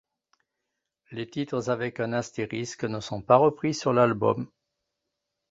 Les titres avec un astérisque ne sont pas repris sur l'album.